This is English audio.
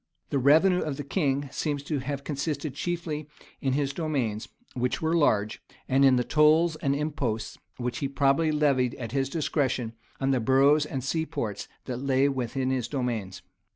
The revenue of the king seems to have consisted chiefly in his demesnes, which were large; and in the tolls and imposts which he probably levied at discretion on the boroughs and seaports that lay within his demesnes.